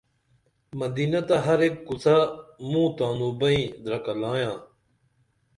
مدینہ تہ ہر ایک کوڅہ موں تانوں بئیں درکہ لایاں